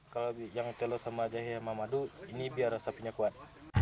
kalau yang telur sama jahe sama madu ini biar sapinya kuat